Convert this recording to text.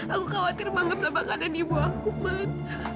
aku khawatir banget sama keadaan ibu aku man